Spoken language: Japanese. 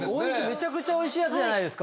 めちゃくちゃおいしいやつじゃないですか。